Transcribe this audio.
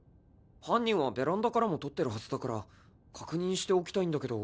犯人はベランダからも撮ってるはずだから確認しておきたいんだけど。